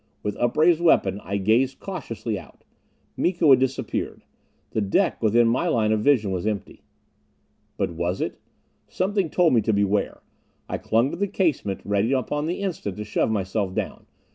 With upraised weapon I gazed cautiously out. Miko had disappeared. The deck within my line of vision was empty. But was it? Something told me to beware. I clung to the casement, ready upon the instant to shove myself down.